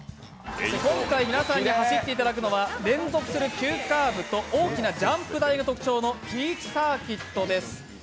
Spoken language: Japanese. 今回皆さんに走っていただくのは連続する急カーブと大きなジャンプ台が特徴のピーチサーキットです。